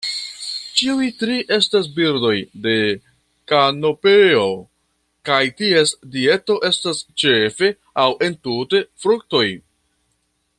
Ĉiuj tri estas birdoj de kanopeo, kaj ties dieto estas ĉefe aŭ entute fruktoj.